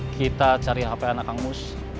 kita cari hp anak hangus